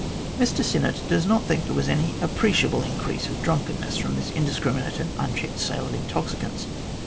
Mr Sinnett does not think that there was any appreciable increase of drunkenness from this indiscrimi nate and unchecked sale of intoxicants.